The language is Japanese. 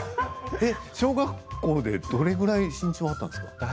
小学校でどれくらい身長があったんですか。